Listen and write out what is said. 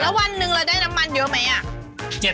แล้ววันหนึ่งเราได้น้ำมันเยอะไหม